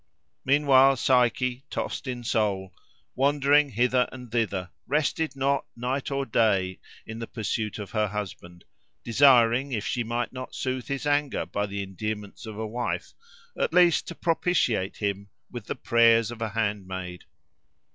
Meanwhile Psyche, tost in soul, wandering hither and thither, rested not night or day in the pursuit of her husband, desiring, if she might not soothe his anger by the endearments of a wife, at the least to propitiate him with the prayers of a handmaid.